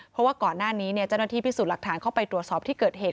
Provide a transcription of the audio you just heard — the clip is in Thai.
เพราะว่าก่อนหน้านี้เจ้าหน้าที่พิสูจน์หลักฐานเข้าไปตรวจสอบที่เกิดเหตุ